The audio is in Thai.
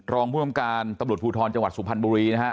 รองผู้ทำการตำรวจภูทรจังหวัดสุพรรณบุรีนะฮะ